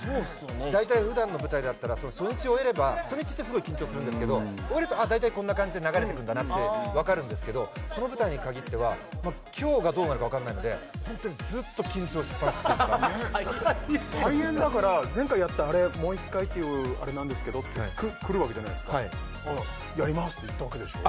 大体普段の舞台だったら初日終えれば初日ってすごい緊張するんですけど終えると大体こんな感じで流れてくんだなって分かるけどこの舞台に限っては今日がどうなるか分かんないのでホントにずっと緊張しっぱなしっていうか再演だから前回やったあれもう一回あれですけどって来るわけじゃないすかはいやりますって言ったわけでしょ？